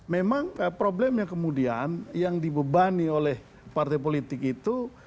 memang problemnya kemudian yang dibebani oleh partai politik itu